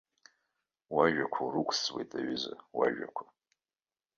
Уажәақәа урықәӡуеит, аҩыза, уажәақәа!